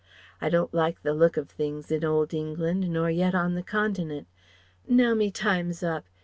I don't like the look of things in old England nor yet on the Continent. Now me time's up.